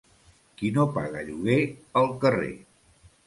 Qui no paga lloguer, al carrer.